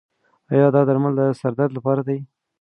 ایا دا درمل د سر درد لپاره دي؟